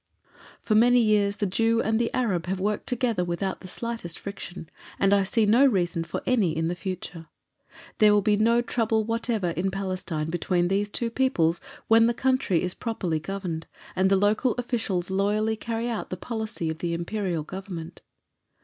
For many years the Jew and the Arab have worked together without the slightest friction, and I see no reason for any in the future. There will be no trouble whatever in Palestine between these two peoples when the country is properly governed, and the local officials loyally carry out the policy of the Imperial Government.